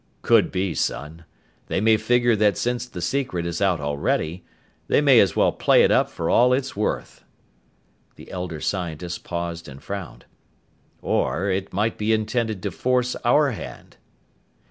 "Could be, son. They may figure that since the secret is out already, they may as well play it up for all it's worth." The elder scientist paused and frowned. "Or it might be intended to force our hand."